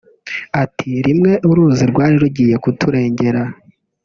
Ati “Rimwe uruzi rwari rugiye kuturengera